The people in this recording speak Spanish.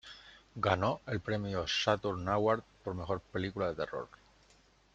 Ganó el premio Saturn Award por mejor película de terror.